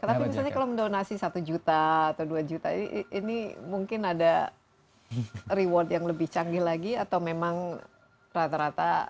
tapi misalnya kalau mendonasi satu juta atau dua juta ini mungkin ada reward yang lebih canggih lagi atau memang rata rata